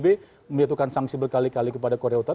pemimpin pbb menyatukan sanksi berkali kali kepada korea utara